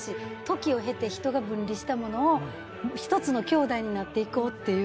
時を経て人が分離したものを一つの兄弟になっていこうっていう。